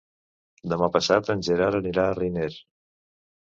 Demà passat en Gerard anirà a Riner.